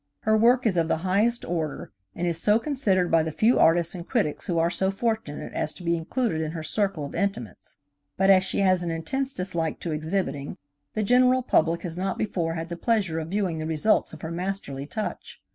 Her work is of the highest order, and is so considered by the few artists and critics who are so fortunate as to be included in her circle of intimates, but as she has an intense dislike to exhibiting, the general public has not before had the pleasure of viewing the results of her masterly touch.